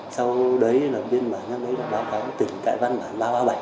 sau đấy lập biên bản sau đấy là báo cáo tỉnh tại văn bản ba trăm ba mươi bảy